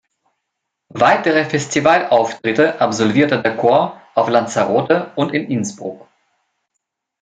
Weitere Festivalauftritte absolvierte der Chor auf Lanzarote und in Innsbruck.